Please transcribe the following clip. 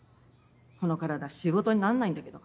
この体仕事になんないんだけど。